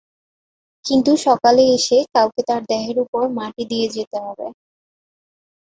কিন্তু সকালে এসে কাউকে তার দেহের উপর মাটি দিয়ে যেতে হবে।